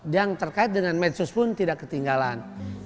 yang terkait dengan medsos pun tidak ketinggalan